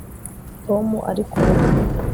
Tom ari ku rupfu